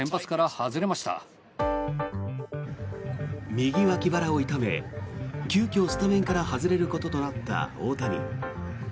右脇腹を痛め急きょスタメンから外れることとなった大谷。